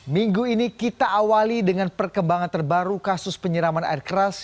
minggu ini kita awali dengan perkembangan terbaru kasus penyiraman air keras